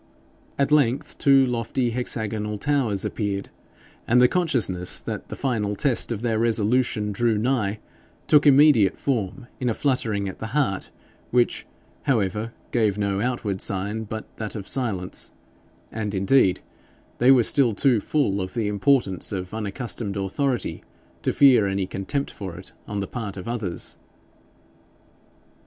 At length two lofty hexagonal towers appeared, and the consciousness that the final test of their resolution drew nigh took immediate form in a fluttering at the heart, which, however, gave no outward sign but that of silence; and indeed they were still too full of the importance of unaccustomed authority to fear any contempt for it on the part of others.